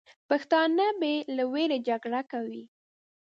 پښتانه بې له ویرې جګړه کوي.